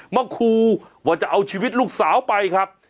ครูว่าจะเอาชีวิตลูกสาวไปครับ